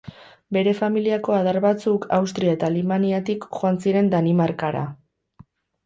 Bere familiako adar batzuk Austria eta Alemaniatik joan ziren Danimarkara.